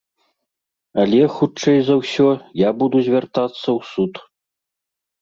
Але, хутчэй за ўсё, я буду звяртацца ў суд.